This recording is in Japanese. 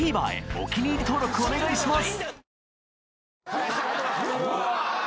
お気に入り登録お願いします